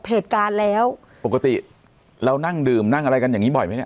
เหตุการณ์แล้วปกติเรานั่งดื่มนั่งอะไรกันอย่างงี้บ่อยไหมเนี่ย